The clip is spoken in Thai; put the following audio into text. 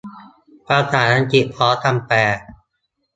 ภาษาอังกฤษ พร้อมคำแปล